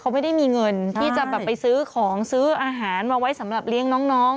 เขาไม่ได้มีเงินที่จะแบบไปซื้อของซื้ออาหารมาไว้สำหรับเลี้ยงน้อง